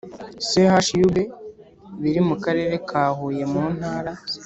Chub biri mu karere ka huye mu ntara